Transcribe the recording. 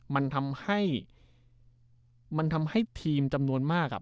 มันทำให้มันทำให้ทีมจำนวนมาก